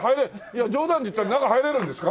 いや冗談で言ったのに中入れるんですか？